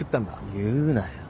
言うなよ。